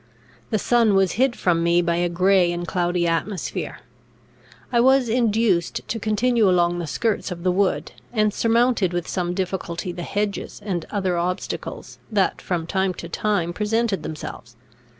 The sun was hid from me by a grey and cloudy atmosphere; I was induced to continue along the skirts of the wood, and surmounted with some difficulty the hedges and other obstacles that from time to time presented themselves.